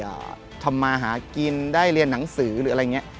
ได้ทำมาหากินได้เรียนหนังสือหรืออะไรแบบนี้